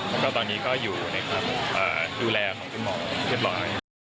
แล้วก็ตอนนี้ก็อยู่ในความดูแลของคุณหมอเรียบร้อย